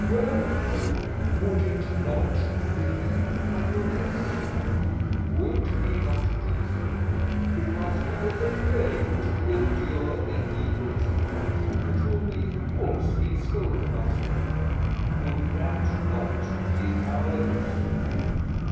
"Well; would it not be cowardice? Would he not do so because he is afraid to endure the evil things which will be falsely spoken of him? Would that not be cowardice?